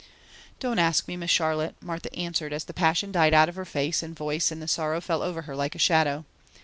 "Don't ask me, Miss Charlotte," Martha answered as the passion died out of her face and voice and the sorrow fell over her like a shadow.